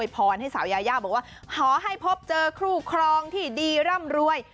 ปอญให้สาวยาวแบบว่าขอให้ภพเจอคู้ครองที่ดีร่ำรวย